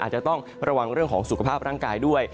อาจจะต้องระวังเรื่องของสุขภาพร่างกายด้วย